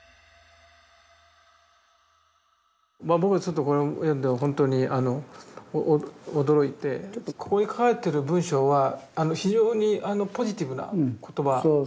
僕はちょっとこれを読んでほんとに驚いてここに書かれてる文章は非常にポジティブな言葉ですよね。